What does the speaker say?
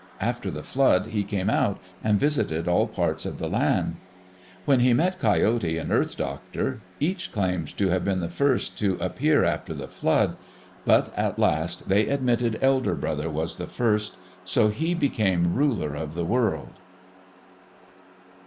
After the flood he came out and visited all parts of the land. When he met Coyote and Earth Doctor, each claimed to have been the first to appear after the flood, but at last they admitted Elder Brother was the first, so he became ruler of the world.